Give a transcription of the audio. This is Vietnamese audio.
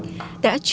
đã truyền thông báo